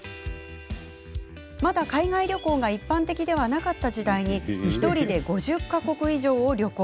まだ海外旅行が一般的ではなかった時代に１人で５０か国以上を旅行。